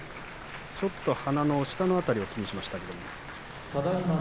ちょっと鼻の下辺りを気にしました。